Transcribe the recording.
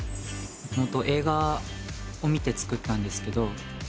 ホント映画を見て作ったんですけど。